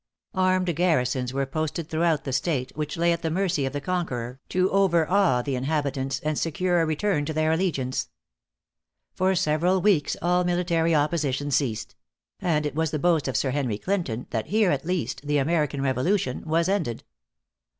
Armed garrisons were posted throughout the State, which lay at the mercy of the conqueror, to overawe the inhabitants, and secure a return to their allegiance. For several weeks all military opposition ceased; and it was the boast of Sir Henry Clinton, that here, at least, the American Revolution was ended.